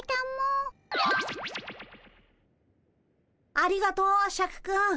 ありがとうシャクくん。